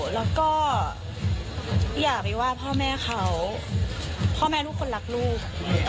แล้วก็อย่าไปว่าพ่อแม่เขาพ่อแม่ลูกคนรักลูก